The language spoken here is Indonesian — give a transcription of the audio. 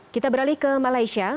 kita beralih ke malaysia